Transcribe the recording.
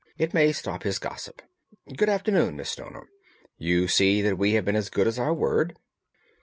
It may stop his gossip. Good afternoon, Miss Stoner. You see that we have been as good as our word."